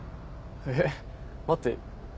えぇ待って。